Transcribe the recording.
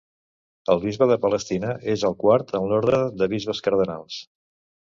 El bisbe de Palestrina és el quart en l'ordre dels bisbes cardenals.